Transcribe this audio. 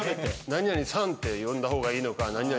何々さんって呼んだ方がいいのか何々